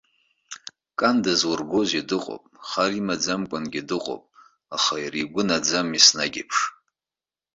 Кан дызургахуазеи, дыҟоуп, хар имаӡамкәангьы дыҟоуп, аха иара игәы наӡам, еснагь еиԥш.